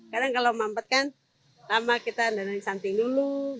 kadang kalau mampet kan lama kita andai andai canting dulu